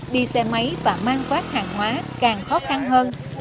đi xe máy và mang quát hàng hóa càng khó khăn hơn